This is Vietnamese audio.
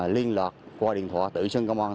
liên lọt qua điện thoại tự sưng công an